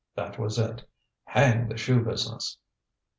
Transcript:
That was it. Hang the shoe business!